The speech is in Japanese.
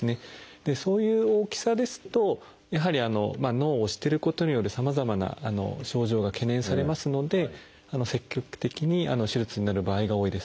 でそういう大きさですとやはり脳を押してることによるさまざまな症状が懸念されますので積極的に手術になる場合が多いです。